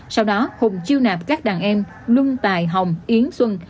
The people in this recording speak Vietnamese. sau đó hùng chiêu nạp các đàn em nung tài hồng yến xuân